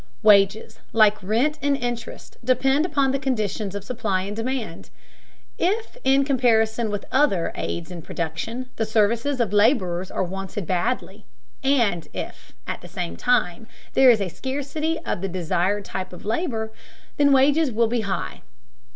Wages, like rent and interest, depend upon the conditions of supply and demand. If, in comparison with other aids in production, the services of laborers are wanted badly, and if, at the same time, there is a scarcity of the desired type of labor, then wages will be high.